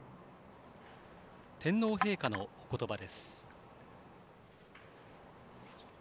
天皇陛下のおことばです。